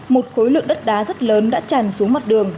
một khối lượng đất đá rất lớn đã tràn xuống mặt đường